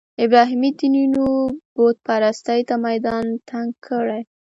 ابراهیمي دینونو بوت پرستۍ ته میدان تنګ کړی.